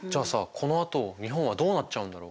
このあと日本はどうなっちゃうんだろう？